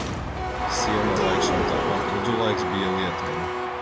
Siena laiks un tāpat rudzu laiks bij lietaini.